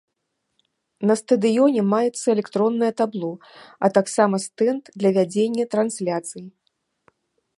На стадыёне маецца электроннае табло, а таксама стэнд для вядзення трансляцый.